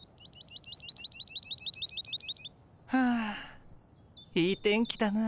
はあいい天気だな。